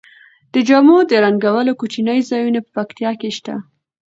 د جامو د رنګولو کوچني ځایونه په پکتیا کې شته.